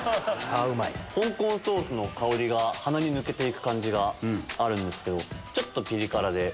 香港ソースの香りが鼻に抜けて行く感じがあるけどちょっとピリ辛で。